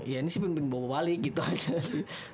ya ini sih pimpin bawa balik gitu aja sih